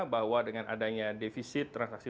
bahwa dengan adanya defisit transaksi